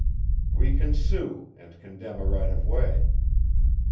"We can sue and condemn a right of way."